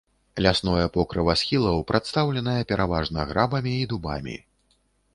Лясное покрыва схілаў прадстаўленае пераважна грабамі і дубамі.